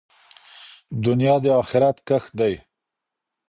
دنیا د آخرت کښت دی.